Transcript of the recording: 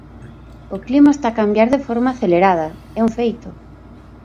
O clima está a cambiar de forma acelerada; é un feito.